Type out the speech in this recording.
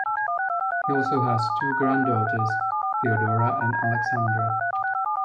He also has two granddaughters, Theodora and Alexandra.